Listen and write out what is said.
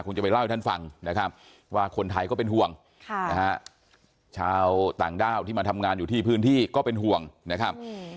จะไปเล่าให้ท่านฟังนะครับว่าคนไทยก็เป็นห่วงชาวต่างด้าวที่มาทำงานอยู่ที่พื้นที่ก็เป็นห่วงนะครับ